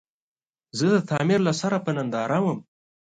زه د تعمير له سره په ننداره ووم.